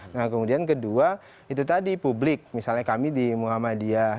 nah kemudian kedua itu tadi publik misalnya kami di muhammadiyah